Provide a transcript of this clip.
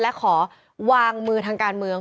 และขอวางมือทางการเมือง